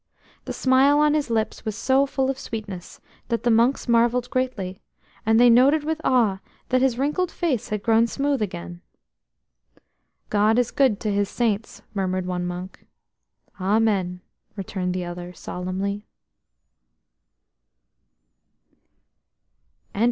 The smile on his lips was so full of sweetness that the monks marvelled greatly, and they noted with awe that his wrinkled face had grown smooth again. "God is good to His Saints," murmured one monk. "Amen," returned the others solemnly.